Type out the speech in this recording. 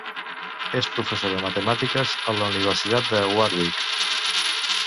És professor de matemàtiques a la universitat de Warwick.